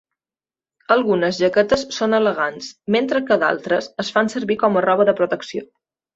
Algunes jaquetes són elegants, mentre que d'altres es fan servir com a roba de protecció.